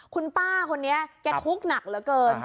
คุณป้าคนนี้แกทุกข์หนักเหลือเกิน